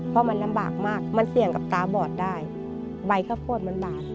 เพราะมันลำบากมากมันเสี่ยงกับตาบอดได้ใบข้าวโพดมันบาด